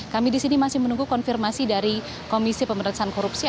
kami disini masih menunggu konfirmasi dari komisi pemerintahan korupsional